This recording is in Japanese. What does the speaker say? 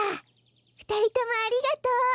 ふたりともありがとう。